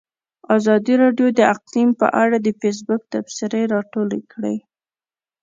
ازادي راډیو د اقلیم په اړه د فیسبوک تبصرې راټولې کړي.